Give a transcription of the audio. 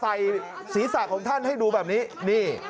ใส่ศีรษะของท่านให้ดูแบบนี้นี่